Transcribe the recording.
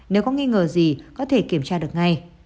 nếu có nghi ngờ gì có thể kiểm tra được ngay